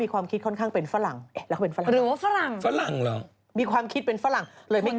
ก็คงเป็นอย่างเมื่อไหร่